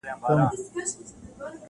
پیاز دي وي په نیاز دي وي -